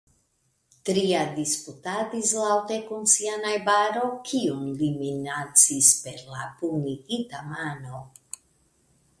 Tria disputadis laŭte kun sia najbaro, kiun li minacis per la pugnigita mano.